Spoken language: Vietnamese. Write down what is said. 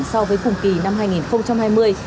so với khủng kỳ năm hai nghìn hai mươi